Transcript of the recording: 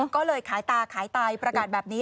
ก็เลยขายตาขายไตประกาศแบบนี้